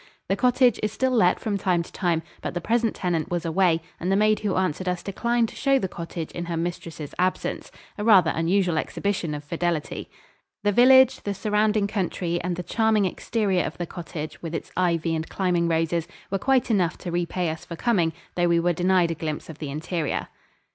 The cottage is still let from time to time, but the present tenant was away and the maid who answered us declined to show the cottage in her mistress' absence a rather unusual exhibition of fidelity. The village, the surrounding country, and the charming exterior of the cottage, with its ivy and climbing roses, were quite enough to repay us for coming though we were denied a glimpse of the interior.